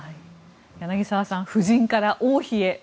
柳澤さん夫人から王妃へ。